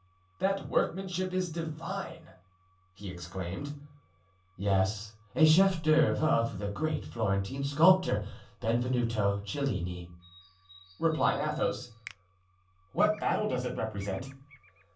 "That workmanship is divine!" he exclaimed. "Yes, a chef d'oeuvre of the great Florentine sculptor, Benvenuto Cellini," replied Athos. "What battle does it represent?"